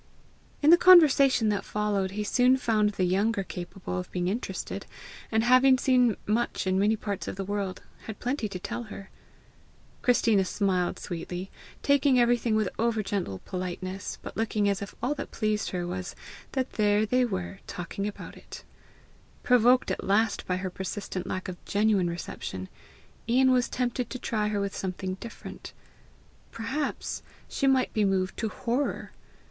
In the conversation that followed, he soon found the younger capable of being interested, and, having seen much in many parts of the world, had plenty to tell her. Christina smiled sweetly, taking everything with over gentle politeness, but looking as if all that interested her was, that there they were, talking about it. Provoked at last by her persistent lack of GENUINE reception, Ian was tempted to try her with something different: perhaps she might be moved to horror!